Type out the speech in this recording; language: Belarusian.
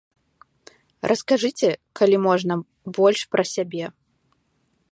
Раскажыце, калі можна, больш пра сябе.